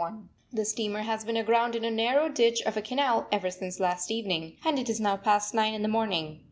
] The steamer has been aground in a narrow ditch of a canal ever since last evening, and it is now past nine in the morning.